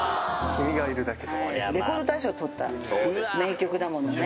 レコード大賞取った名曲だものね。